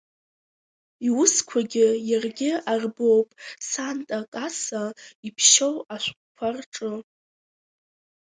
Иусқәагьы иаргьы арбоуп санта-Каса иԥшьоу ашәҟәқәа рҿы.